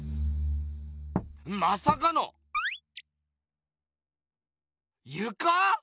まさかのゆか⁉